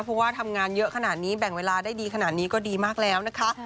เพราะว่าทำงานเยอะขนาดนี้แบ่งเวลาได้ดีขนาดนี้ก็ดีมากแล้วนะคะ